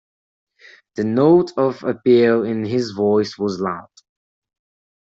The note of appeal in his voice was loud.